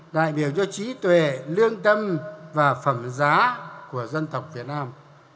đại biểu cho trí tuệ lương tâm và phẩm giá của dân tộc việt nam